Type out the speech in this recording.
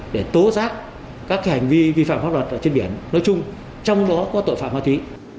để tố giác các hành vi vi phạm pháp luật trên biển nói chung trong đó có tội phạm ma túy